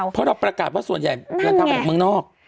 เพราะเราประกาศว่าส่วนใหญ่เดินทางมาจากเมืองนอก